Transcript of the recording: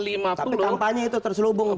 tapi kampanye itu terselubung